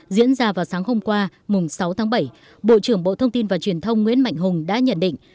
diễn ra vào sáng hôm qua sáu tháng bảy bộ trưởng bộ thông tin và truyền thông nguyễn mạnh hùng đã nhận định